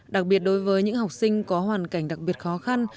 đặc biệt đối với những học sinh có hoàn cảnh đặc biệt khó khăn